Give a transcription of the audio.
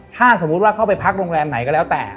ถ้าสมมุติว่าเข้าไปพักโรงแรมไหนก็แล้วแต่